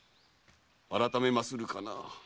改めまするかな？